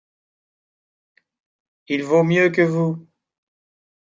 Il vaut mieux que vous.